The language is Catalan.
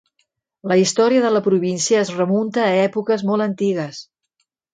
La història de la província es remunta a èpoques molt antigues.